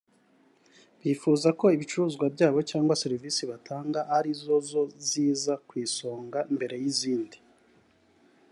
bifuza ko ibicuruzwa byabo cyangwa serivisi batanga ari zo ziza ku isonga mbere y’izindi